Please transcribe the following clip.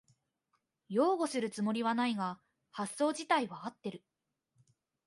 擁護するつもりはないが発想じたいは合ってる